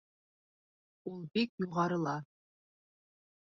— Ул бик юғарыла.